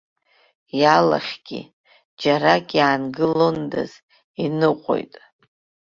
Иалахгьы, џьарак иаангылондаз, иныҟәоит.